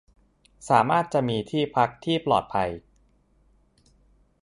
สามารถจะมีที่พักที่ปลอดภัย